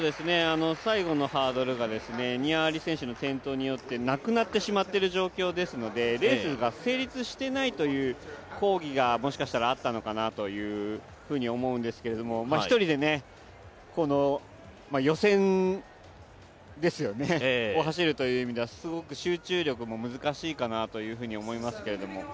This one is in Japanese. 最後のハードルがニア・アリ選手の転倒によってなくなってしまってレースが成立していないという抗議がもしかしたらあったのかもしれないかなと思うんですけど１人で、予選ですよね、走るという意味ではすごく集中力も難しいかなと思いますけれども。